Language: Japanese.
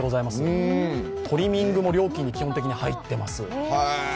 トリミングも料金に基本的に入っています。